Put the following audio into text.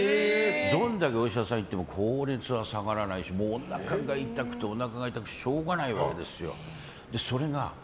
どれだけお医者さんに行っても高熱は下がらないしおなかが痛くてしょうがないわけですよ。